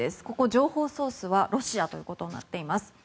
ここ情報ソースはロシアということになっています。